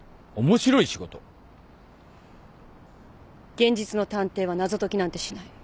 現実の探偵は謎解きなんてしない。